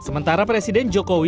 sementara presiden jokowi